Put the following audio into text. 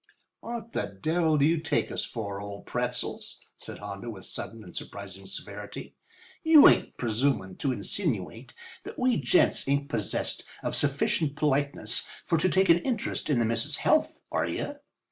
"What the devil do you take us for, old Pretzels?" said Hondo with sudden and surprising severity. "You ain't presumin' to insinuate that we gents ain't possessed of sufficient politeness for to take an interest in the miss's health, are you?